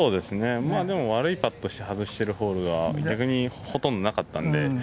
悪いパットして外してるホールは逆に、ほとんどなかったので。